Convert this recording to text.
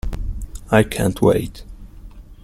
I can't wait!